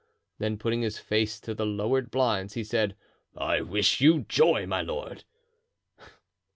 Then putting his face to the lowered blinds, he said: "I wish you joy, my lord!"